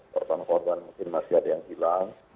korban korban mungkin masih ada yang hilang